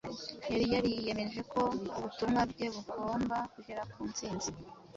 Yari yariyemeje ko ubutumwa bwe bugomba kugera ku nsinzi